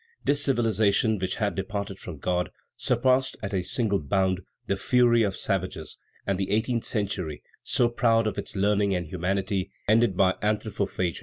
"this civilization which had departed from God, surpassed at a single bound the fury of savages, and the eighteenth century, so proud of its learning and humanity, ended by anthropophagy."